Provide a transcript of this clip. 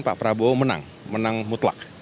pak prabowo menang menang mutlak